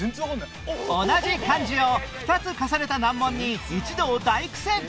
同じ漢字を２つ重ねた難問に一同大苦戦！